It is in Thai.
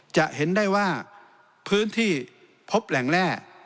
จะเห็นได้ว่าพื้นที่พบแหล่งแร่